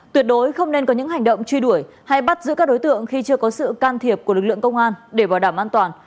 tuyệt đối không nên có những hành động truy đuổi hay bắt giữ các đối tượng khi chưa có sự can thiệp của lực lượng công an để bảo đảm an toàn